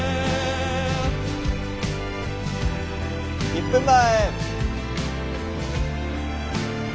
１分前！